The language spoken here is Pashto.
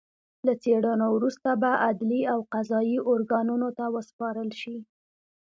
له څېړنو وروسته به عدلي او قضايي ارګانونو ته وسپارل شي